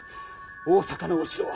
大坂のお城は？